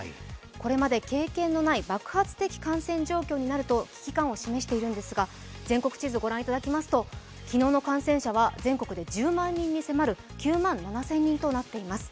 これまで経験のない爆発的感染状況になると危機感を示しているんですが全国地図をご覧いただきますと昨日の感染者は全国で１０万人に迫る９万７０００人となっています。